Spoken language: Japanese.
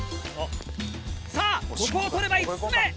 さぁここを取れば５つ目！